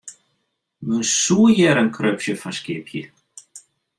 Men soe hjir in krupsje fan skypje.